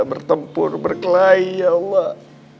bertempur berkelahi ya allah